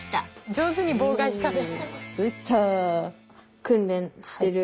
上手に妨害したね。